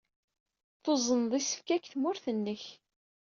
Tuzneḍ isefka seg tmurt-nnek.